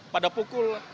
pada pukul sembilan